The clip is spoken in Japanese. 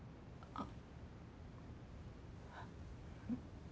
あっ。